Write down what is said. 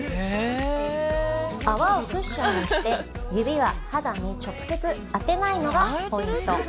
◆泡をクッションにして、指は肌に直接当てないのがポイント。